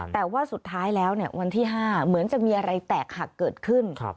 แต่ว่าสุดท้ายแล้ววันที่๕เหมือนจะมีอะไรแตกหักเกิดขึ้น